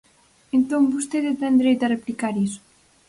Entón vostede ten dereito a replicar iso.